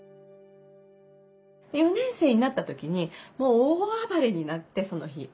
４年生になった時にもう大暴れになってその日。